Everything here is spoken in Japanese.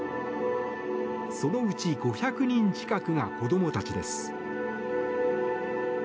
そのうち５００人近くが子供たちです。